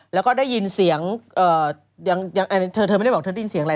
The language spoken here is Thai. แล้วก็ได้ยินเสียงเธอเธอไม่ได้บอกเธอได้ยินเสียงอะไร